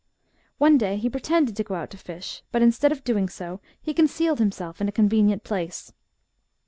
One day he pretended to go out to fish, but, instead of doing so, he concealed himself in a conve nient place.